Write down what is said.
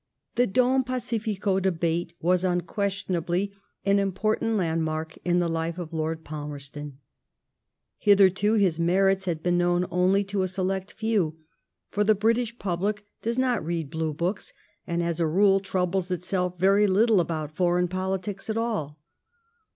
The Don Pacifico debate was un questionably an important landmark in the life of Lord Palmerston. Hitherto his merits had been kuown only to a select few; for the British public does not read Blue Books, and as a rule troubles itself very little about . foreign politics at all.